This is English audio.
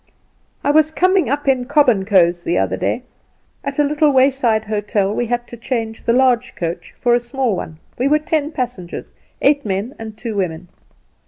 "I was coming up in Cobb & Co.'s the other day. At a little wayside hotel we had to change the large coach for a small one. We were ten passengers, eight men and two women.